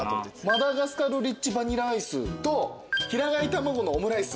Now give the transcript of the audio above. マダガスカルリッチバニラアイスと平飼い卵のオムライス。